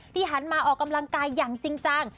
หันมาออกกำลังกายอย่างจริงจัง